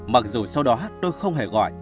mặc dù sau đó tôi không hề gọi